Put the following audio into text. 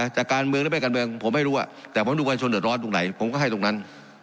จะการเมืองหรือไม่การเมืองผมไม่รู้แต่ผมดูกันชนเดือดร้อนตรงไหนผมก็ให้ตรงนั้น